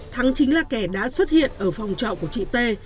thắng chính là kẻ đã xuất hiện ở phòng trọ của chị t